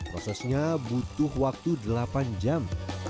prosesnya butuh waktu delapan jam